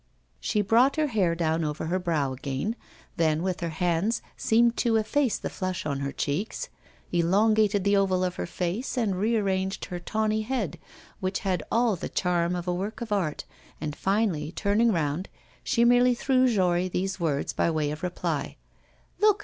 She brought her hair down over her brow again, then with her hands seemed to efface the flush on her cheeks; elongated the oval of her face, and rearranged her tawny head, which had all the charm of a work of art; and finally, turning round, she merely threw Jory these words by way of reply: Look!